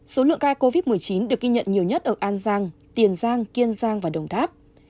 số lượng ca covid một mươi chín được ghi nhận nhiều nhất ở an giang tiền giang kiên giang và đồng tháp